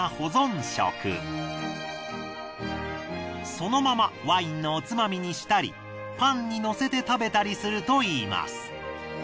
そのままワインのおつまみにしたりパンにのせて食べたりするといいます。